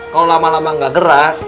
kalau lama lama gak gerak